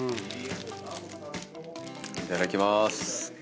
いただきまーす。